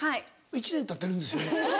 １年たってるんですよね？